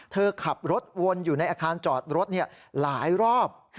เธอขับรถวนอยู่ในอาคารจอดรถหลายรอบ